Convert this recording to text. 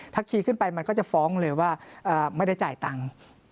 ถ้าขี่ขึ้นไปมันก็จะฟ้องเลยว่าไม่ได้จ่ายตังค์